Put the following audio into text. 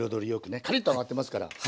カリッと揚がってますから。